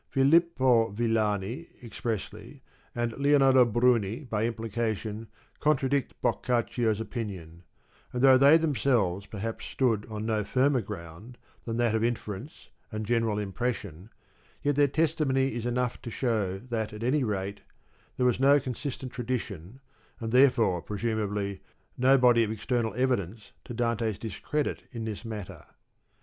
Filippo Villani expressly, and Lionardo Bruni by implication, contradict Boccaccio's opinion, and though they them selves perhaps stood on no firmer ground than that of inference and general impression, yet their testimony is enough to show that at any rate there was no consistent tradition and therefore, presumably, no body of external evidence, to Dante's discredit in this matter.